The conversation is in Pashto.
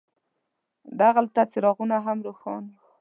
دغلته څراغونه هم روښان وو.